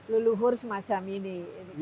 leluhur semacam ini